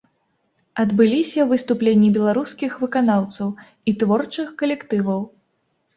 Адбыліся выступленні беларускіх выканаўцаў і творчых калектываў.